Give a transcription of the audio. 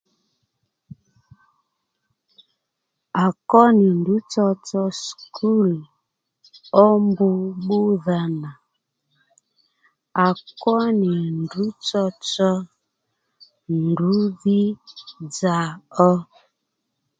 À kwó nì ndrǔ tsotso sùkǔl ó mb bbúdha nà à kwó nì ndrǔ tsotso ndrǔdhí dza ó